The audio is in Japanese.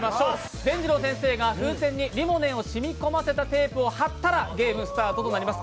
でんじろう先生が風船にリモネンをしみ込ませたテープを貼ったらゲームスタートとなります。